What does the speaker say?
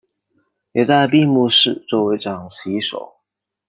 也在闭幕式作为掌旗手。